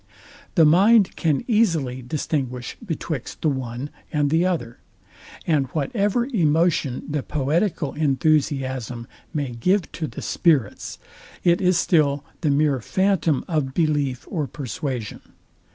The mind can easily distinguish betwixt the one and the other; and whatever emotion the poetical enthusiasm may give to the spirits, it is still the mere phantom of belief or persuasion.